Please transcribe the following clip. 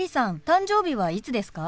誕生日はいつですか？